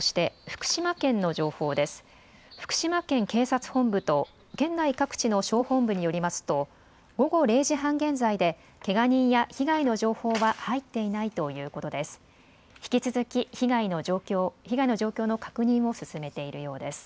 福島県警察本部と県内各地の消防本部によりますと午後０時半現在でけが人や被害の情報は入っていないということです。